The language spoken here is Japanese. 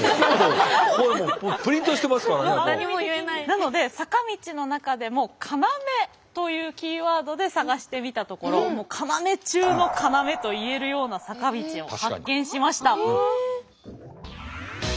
なので坂道の中でも要というキーワードで探してみたところ要中の要と言えるような坂道を発見しました。